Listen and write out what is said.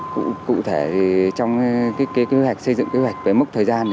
cụ thể trong kế hoạch xây dựng kế hoạch với mức thời gian